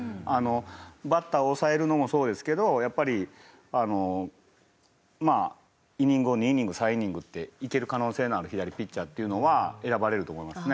バッターを抑えるのもそうですけどやっぱりまあイニングを２イニング３イニングっていける可能性のある左ピッチャーっていうのは選ばれると思いますね。